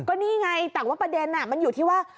ก็นี่ไงแต่ว่าประเด็นมันอยู่ที่ว่า